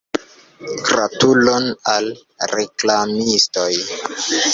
Gratulon al la reklamistoj.